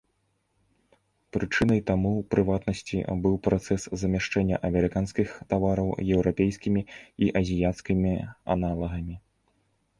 Прычынай таму, у прыватнасці, быў працэс замяшчэння амерыканскіх тавараў еўрапейскімі і азіяцкімі аналагамі.